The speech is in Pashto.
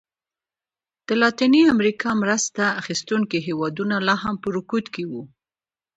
د لاتینې امریکا مرسته اخیستونکي هېوادونه لا هم په رکود کې وو.